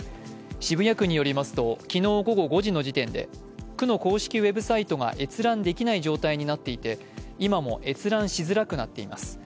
渋谷区によりますと、昨日午後５時の時点で、区の公式ウェブサイトが閲覧できない状態になっていて今も閲覧しづらくなっています。